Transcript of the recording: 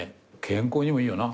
健康にもいいよな。